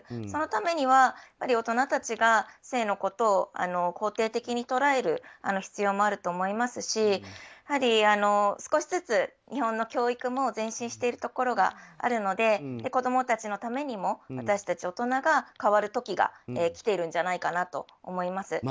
そのためには大人たちが性のことを肯定的に捉える必要もあると思いますし少しずつ日本の教育も前進しているところがあるので子供たちのためにも私たち大人が変わる時が来ているんじゃないかと思います。